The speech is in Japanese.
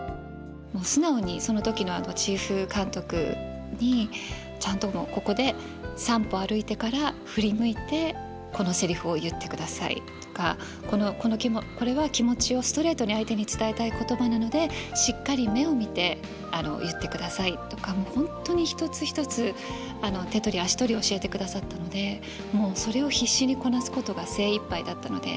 もう素直にその時のチーフ監督にちゃんともう「ここで３歩歩いてから振り向いてこのセリフを言ってください」とか「これは気持ちをストレートに相手に伝えたい言葉なのでしっかり目を見て言ってください」とかもう本当に一つ一つ手取り足取り教えてくださったのでもうそれを必死にこなすことが精いっぱいだったので。